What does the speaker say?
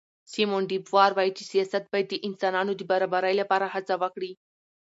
سیمون ډي بووار وایي چې سیاست باید د انسانانو د برابرۍ لپاره هڅه وکړي.